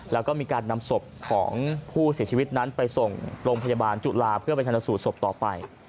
แล้วก็มีการนำศพของผู้เสียชีวิตนั้นไปส่งโรงพยาบาลจุฬาเพื่อไปชนสูตรศพต่อไป